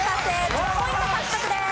１０ポイント獲得です。